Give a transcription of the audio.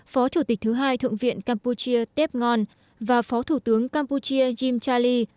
phó chủ tịch thứ hai thượng viện campuchia tep ngon và phó thủ tướng campuchia jim charlie